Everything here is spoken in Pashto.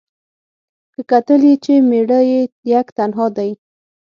که کتل یې چي مېړه یې یک تنها دی